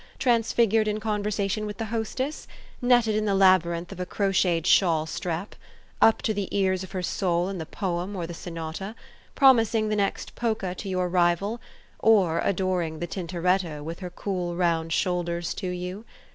transfigured in conversation with the hostess ? netted in the labyrinth of a crocheted shawl strap ? up to the ears of her soul in the poem or the sonata? promising the next polka to your rival? or adoring the Tintoretto, with her cool, round shoulders to you?